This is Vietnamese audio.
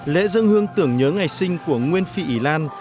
lễ dân hương tưởng nhớ ngày sinh của nguyên phi ý lan